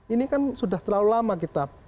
ini kan sudah terlalu lama kita